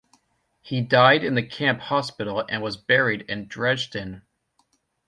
He died in the camp hospital and was buried in Dresden.